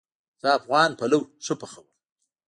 زه افغان پلو ښه پخوم